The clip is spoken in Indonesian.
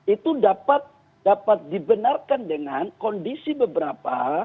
itu dapat dibenarkan dengan kondisi beberapa